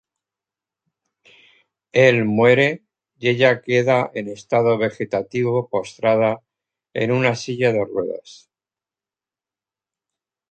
Él muere y ella queda en estado vegetativo postrada en una silla de ruedas.